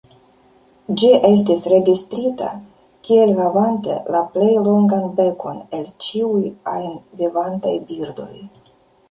Ĝi estis registrita kiel havante la plej longan bekon el ĉiuj ajn vivantaj birdoj.